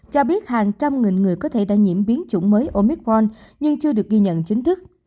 cho biết hàng trăm nghìn người có thể đã nhiễm biến chủng mới omicron nhưng chưa được ghi nhận chính thức